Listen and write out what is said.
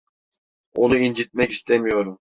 Onu incitmek istemiyorum.